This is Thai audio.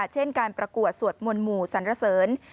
เช่นการประกวดสวดมนต์หมู่สรรเสริญ